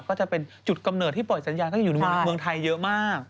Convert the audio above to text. ก็จะเป็นจุดกำเนิดที่ปล่อยสัญญาณก็จะอยู่ในเมืองไทยเยอะมาก